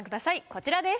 こちらです。